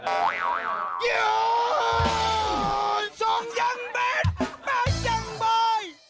โอ้โหส่องยังแบดตายจังบ่อย